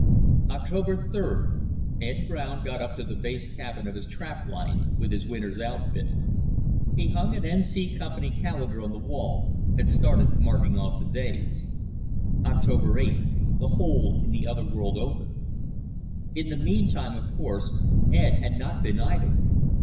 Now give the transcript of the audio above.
_October 3rd, Ed Brown got up to the base cabin of his trap line with his winter's outfit. He hung an N. C. Company calendar on the wall and started marking off the days. October 8th, the hole into the other world opened. In the meantime, of course, Ed had not been idle.